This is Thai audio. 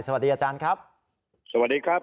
สวัสดีอาจารย์ครับสวัสดีครับ